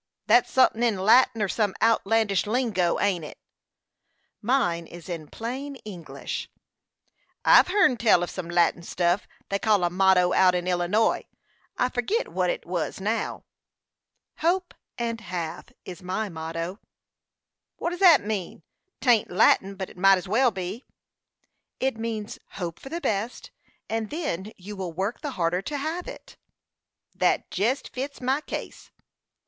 "That's sunthin' in Latin, or some outlandish lingo ain't it?" "Mine is in plain English." "I've hearn tell of some Latin stuff they called a motto out in Illinois; I forgit what it was now." "'Hope and have,' is my motto." "What does that mean? 'Tain't Latin, but it might as well be." "It means hope for the best, and then you will work the harder to have it." "Thet jest fits my case."